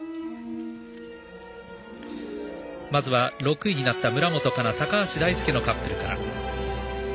まずは、６位になった村元哉中、高橋大輔カップルから。